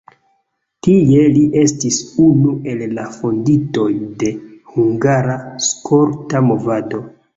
Tie li estis unu el la fondintoj de hungara skolta movado.